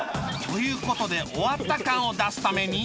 という事で終わった感を出すために